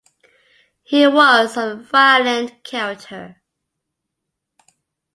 He was of a violent character.